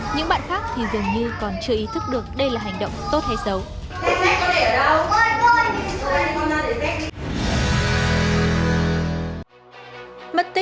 những bạn khác thì dường như còn chưa ý thức được đây là hành động tốt hay xấu